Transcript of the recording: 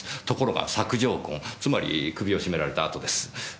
ところが索状痕つまり首を絞められた跡です。